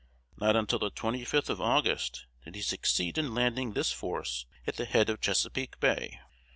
Not until the 25th of August did he succeed in landing this force at the head of Chesapeake Bay.